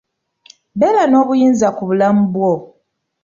Beera n'obuyinza ku bulamu bwo.